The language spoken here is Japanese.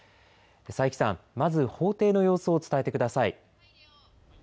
佐伯さん、まず法廷の様子を伝えてください。